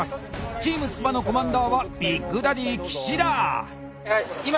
チームつくばのコマンダーはビッグ・ダディ岸田。